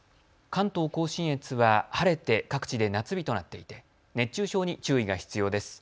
関東甲信越は晴れて各地で夏日となっていて熱中症に注意が必要です。